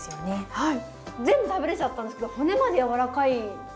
はい。